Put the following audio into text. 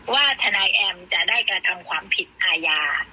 ว่าทนายแอมจะได้กระทำความผิดอาญา